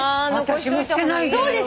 私も捨てないで。